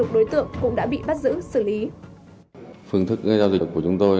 đối tượng cũng đã bị bắt giữ xử lý